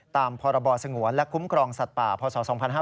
ตามพรบสงวนและคุ้มครองสัตว์ป่าพศ๒๕๕๙